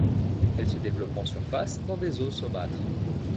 Elle se développe en surface, dans des eaux saumâtres.